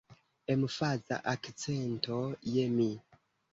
Emfaza akcento je mi.